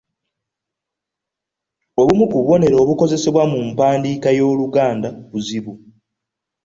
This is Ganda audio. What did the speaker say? Obumu ku bubonero obukozesebwa mu mpandiika y’Oluganda buzibu.